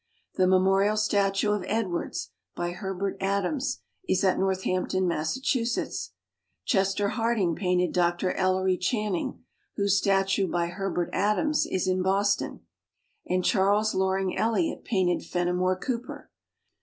The memorial statue of Edwards, by Her bert Adams, is at Northampton, Mas sachusetts. Chester Harding painted Dr. EUery Channing (whose statue by Herbert Adams is in Boston), and Charles Loring Elliott painted Feni more Cooper.